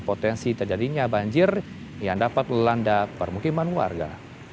potensi terjadinya banjir yang dapat melanda permukiman warga